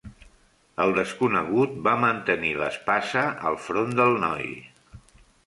El desconegut va mantenir l'espasa al front del noi.